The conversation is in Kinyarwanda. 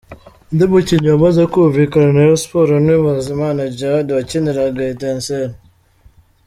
Undi mukinnyi wamaze kumvikana na Rayon Sports ni Bizimana Djihad wakiniraga Etincelles.